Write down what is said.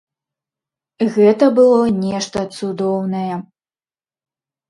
Гэта было нешта цудоўнае.